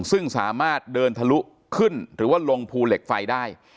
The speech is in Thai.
ซึ่งสามารถเดินทะลุขึ้นหรือว่าลงภูเหล็กไฟได้